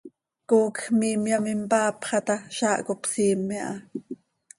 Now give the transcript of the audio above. coocj miimyam impaapxa ta, zaah cop siime aha.